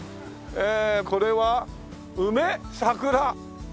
えこれは梅？桜？